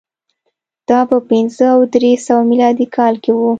دا په پنځه او درې سوه میلادي کال کې و